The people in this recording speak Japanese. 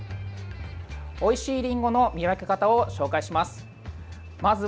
おいしいりんごの見分け方を紹介します。